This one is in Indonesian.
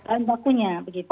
bahan bakunya begitu